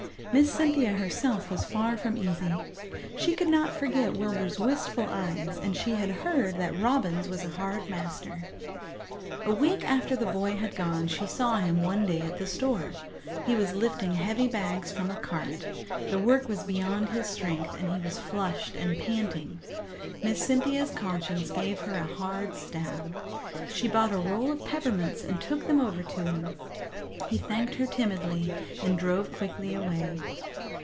Miss Cynthia herself was far from easy. She could not forget Wilbur's wistful eyes, and she had heard that Robins was a hard master. A week after the boy had gone she saw him one day at the store. He was lifting heavy bags from a cart. The work was beyond his strength, and he was flushed and panting. Miss Cynthia's conscience gave her a hard stab. She bought a roll of peppermints and took them over to him. He thanked her timidly and drove quickly away.